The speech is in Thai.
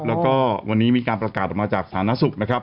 แล้วก็วันนี้มีการประกาศมาจากศาลนักศูนย์นะครับ